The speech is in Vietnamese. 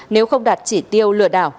nếu không đạt chỉ tiêu lừa đảo